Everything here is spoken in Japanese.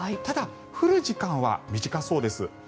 ただ、降る時間は短そうです。